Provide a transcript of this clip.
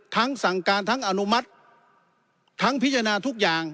สั่งการทั้งอนุมัติทั้งพิจารณาทุกอย่าง